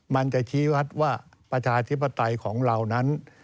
มันจะชี้วัดว่าประชาธิปไตยของเรานั้น